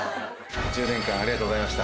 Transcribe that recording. １０年間ありがとうございました。